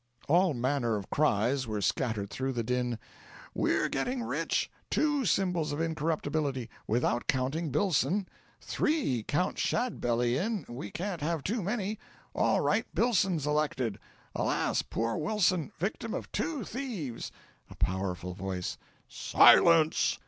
All manner of cries were scattered through the din: "We're getting rich TWO Symbols of Incorruptibility! without counting Billson!" "THREE! count Shadbelly in we can't have too many!" "All right Billson's elected!" "Alas, poor Wilson! victim of TWO thieves!" A Powerful Voice. "Silence!